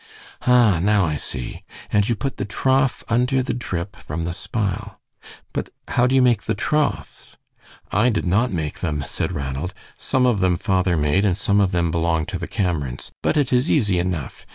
"Ah, now I see. And you put the trough under the drip from the spile. But how do you make the troughs?" "I did not make them," said Ranald. "Some of them father made, and some of them belong to the Camerons. But it is easy enough.